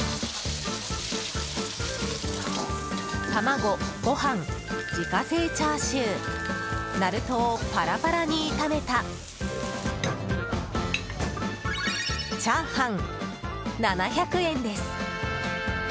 卵、ご飯、自家製チャーシューナルトをパラパラに炒めたチャーハン、７００円です。